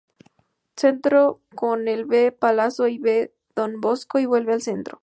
Centro con el B° Palazzo y B° Don Bosco y vuelve al centro.